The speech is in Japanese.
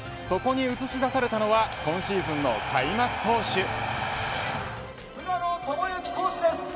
そこに映し出されたのは今シーズンの開幕投手。